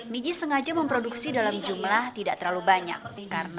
niji sengaja memproduksi dalam jumlah tidak terlalu banyak